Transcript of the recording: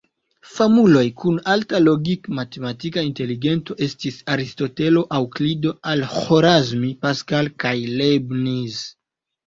Famuloj kun alta logik-matematika inteligento estis: Aristotelo, Eŭklido, Al-Ĥorazmi, Pascal kaj Leibniz.